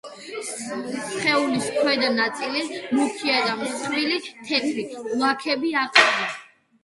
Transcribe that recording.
სხეულის ქვედა ნაწილი მუქია და მსხვილი თეთრი ლაქები აყრია.